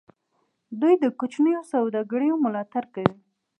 دوی د کوچنیو سوداګریو ملاتړ کوي.